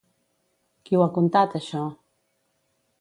Qui ho ha contat, això?